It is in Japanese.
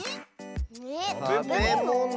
えったべもの？